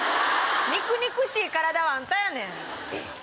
肉々しい体はあんたやねん。